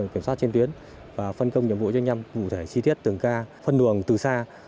kiểm soát trên tuyến và phân công nhiệm vụ doanh nhâm vụ thể chi tiết tường ca phân luồng từ xa